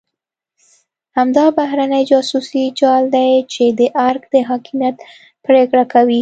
همدا بهرنی جاسوسي جال دی چې د ارګ د حاکمیت پرېکړه کوي.